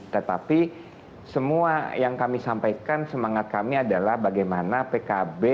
tetapi semua yang kami sampaikan semangat kami adalah bagaimana pkb